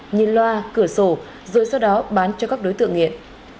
nhìn loa cửa sổ rồi sau đó bán cho các đối tượng nghiện